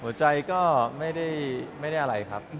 หัวใจก็ไม่ได้อะไรครับ